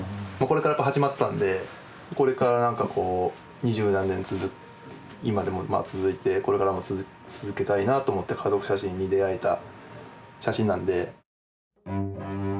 これからやっぱ始まったんでこれからなんかこう二十何年続く今でもまあ続いてこれからも続けたいなと思って家族写真に出会えた写真なんで。